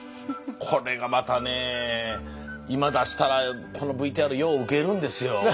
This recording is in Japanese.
これがまたねえ今出したらこのＶＴＲようウケるんですよこれ。